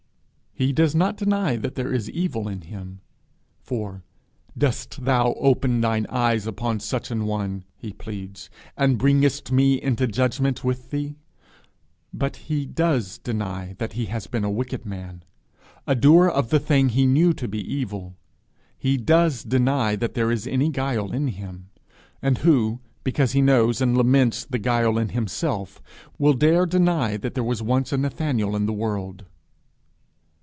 He does not deny that there is evil in him; for 'Dost thou open thine eyes upon such an one,' he pleads, 'and bringest me into judgment with thee?' but he does deny that he has been a wicked man, a doer of the thing he knew to be evil: he does deny that there is any guile in him. And who, because he knows and laments the guile in himself, will dare deny that there was once a Nathanael in the world?